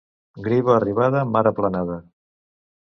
Griva arribada, mar aplanada.